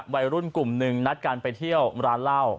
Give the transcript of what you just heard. วัยรุ่นกลุ่มหนึ่งนัดกันไปเที่ยวร้านเหล้า